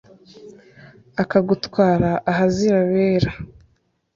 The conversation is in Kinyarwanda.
akagutwara ahazira abere